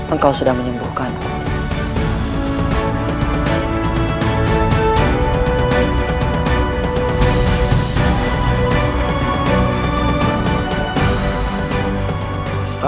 engkau sudah menyembuhkan ku